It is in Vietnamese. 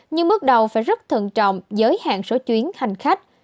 nhưng bước đầu phải rất thận trọng giới hạn số chuyến hành khách